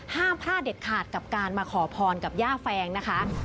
ห้ามพลาดเด็ดขาดกับการมาขอพรกับย่าแฟงนะคะ